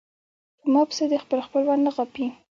پۀ ما پسې د خپل خپل وال نه غاپي